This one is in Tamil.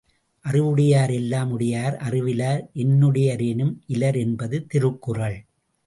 அறிவுடையார் எல்லாம் உடையார் அறிவிலார் என்னுடைய ரேனும் இலர் என்பது திருக்குறள்.